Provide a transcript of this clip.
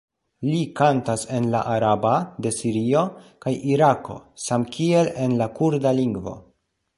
Li kantas en la araba de Sirio kaj Irako samkiel en la kurda lingvo.